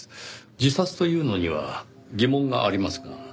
自殺というのには疑問がありますが。